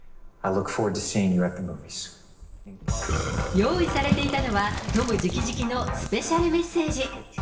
用意されていたのは、トム直々のスペシャルメッセージ。